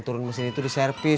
turun mesin itu di servis